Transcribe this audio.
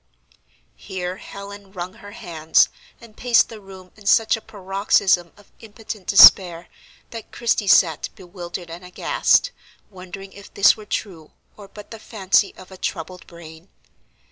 Here Helen wrung her hands and paced the room in such a paroxysm of impotent despair that Christie sat bewildered and aghast, wondering if this were true, or but the fancy of a troubled brain.